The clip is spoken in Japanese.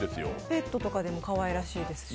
ペットとかでもかわいらしいですよね。